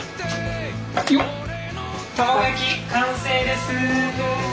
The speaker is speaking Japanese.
卵焼き完成です！